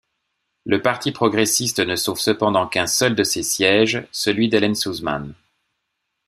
Le parti progressiste ne sauve cependant qu'un seul de ses sièges, celui d'Helen Suzman.